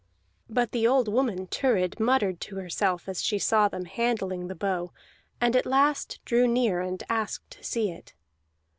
But the old woman Thurid muttered to herself as she saw them handling the bow, and at last drew near and asked to see it.